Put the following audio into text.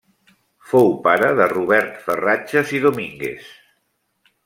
Fou pare de Robert Ferratges i Domínguez.